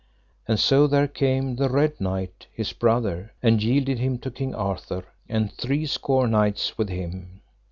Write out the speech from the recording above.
And so there came the Red Knight his brother, and yielded him to King Arthur, and three score knights with him.